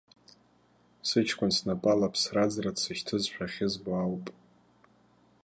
Сыҷкәын снапала ԥсра-ӡра дсышьҭызшәа ахьызбо ауп.